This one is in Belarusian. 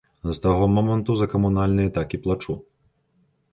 З таго моманту за камунальныя так і плачу.